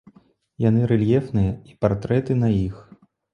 Яны рэльефныя і партрэты на іх.